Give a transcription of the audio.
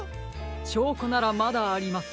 しょうこならまだあります。